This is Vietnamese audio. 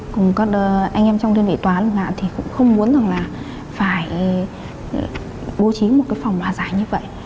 cùng các anh em trong đơn vị tòa án thì cũng không muốn phải bố trí một phòng hòa giải như vậy